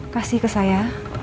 kasih ke saya